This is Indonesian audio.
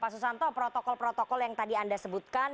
pak susanto protokol protokol yang tadi anda sebutkan